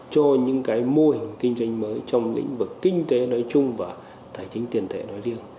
cho những cái mô hình kinh doanh mới trong lĩnh vực kinh tế nói chung và tài chính tiền tệ nói riêng